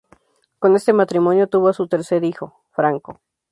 Con este matrimonio tuvo a su tercer hijo, Franco.